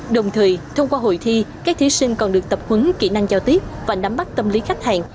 đồng thời thông qua hội thi các thí sinh còn được tập huấn kỹ năng giao tiếp và nắm bắt tâm lý khách hàng